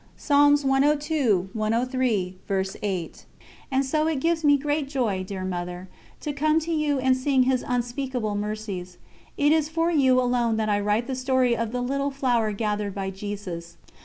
" And so it gives me great joy, dear Mother, to come to you and sing His unspeakable mercies. It is for you alone that I write the story of the little flower gathered by Jesus.